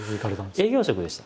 営業職でした。